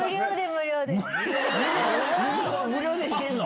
無料で行けんの？